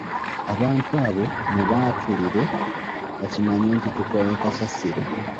Abantu abo mubaatulire bakimanye nti tukooye kasasiro.